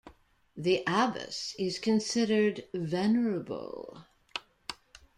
The abbess is considered "Venerable".